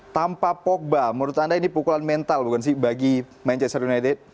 tanpa pogba menurut anda ini pukulan mental bukan sih bagi manchester united